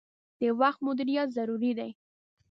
د وخت مدیریت ضروری دي.